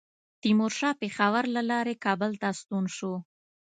تیمورشاه پېښور له لارې کابل ته ستون شو.